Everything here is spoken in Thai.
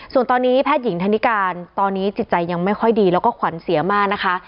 ส่วนตอนนี้แพทย์หญิงธนิการตอนนี้จิตใจยังไม่ค่อยดีแล้วก็ขวัญเสียมากนะคะ